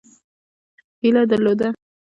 هیله درلوده.